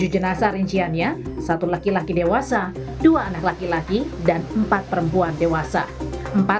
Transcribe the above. tujuh jenazah rinciannya satu laki laki dewasa dua anak laki laki dan empat perempuan dewasa empat